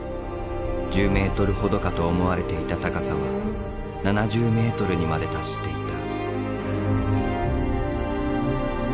１０ｍほどかと思われていた高さは７０ｍにまで達していた。